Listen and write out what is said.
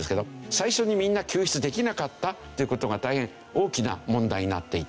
最初にみんな救出できなかったという事が大変大きな問題になっていた。